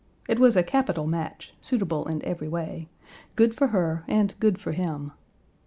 It was a capital match, suitable in every way, good for her, and Page 233 good for him.